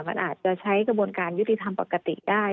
มันอาจจะใช้กระบวนการยุติธรรมปกติได้